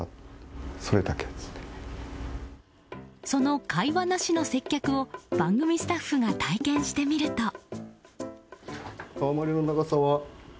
その会話なしの接客を番組スタッフが体験してみると。